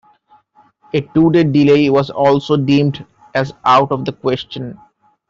A two-day delay was also deemed as out of the question.